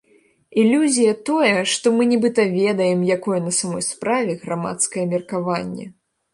Ілюзія тое, што мы нібыта ведаем, якое на самой справе грамадскае меркаванне.